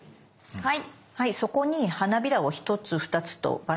はい。